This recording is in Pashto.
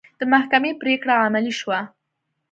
د محکمې پرېکړه عملي شوه.